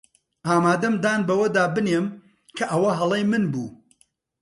ئامادەم دان بەوەدا بنێم کە ئەوە هەڵەی من بوو.